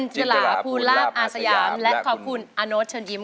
ฉลาภูลาภอาสยามและขอบคุณอาโน๊ตเชิญยิ้ม